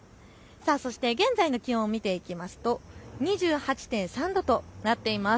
そして現在の気温見ていきますと２８．３度となっています。